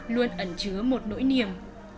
luôn ẩn trứa một nỗi niềm